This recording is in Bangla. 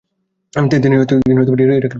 তিনি ইরাকের বাগদাদে জন্মগ্রহণ করেন।